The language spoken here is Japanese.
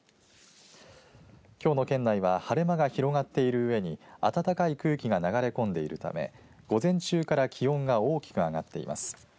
きょうの県内は晴れ間が広がっているうえに暖かい空気が流れ込んでいるため午前中から気温が大きく上がっています。